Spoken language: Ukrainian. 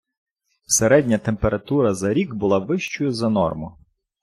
Середня температура за рік була вищою за норму.